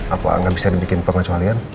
apa gak bisa dibikin pengacualian